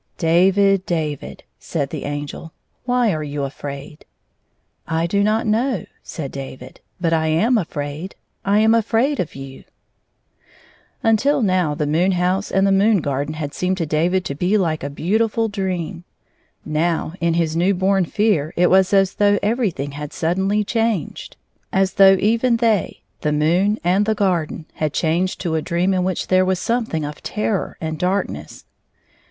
"David, David," said the Angel, "why are you afraid ?" "I do not know," said David; "but I am afi*aid — I am afiraid of you !" Until now the moon house and the moon gar den had seemed to David to be like a beautiful dream. Now, in his new bom fear, it was as though everything had suddenly changed; as though even they — the moon and the garden — had changed to a dream in which there was something of terror and darkness.